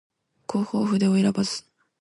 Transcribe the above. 弘法筆を選ばず